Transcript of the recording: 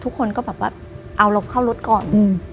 ทุกคนก็แบบว่าเอาลบเข้ารถก่อน